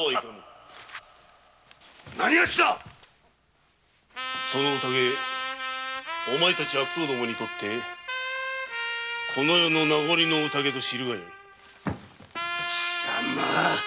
何やつだその宴お前たち悪党にとってこの世の名残の宴と知るがよいあッ